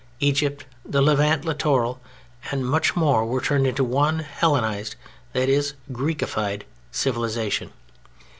Egypt, the Levant littoral and much more, were turned into one Hellenized (that is, "Greecified") civilization.